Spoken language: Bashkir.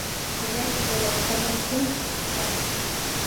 Һеҙгә килделәр! Ҡыҙыҡ, кем икән?